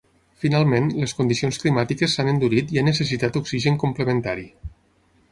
Finalment, les condicions climàtiques s’han endurit i ha necessitat oxigen complementari.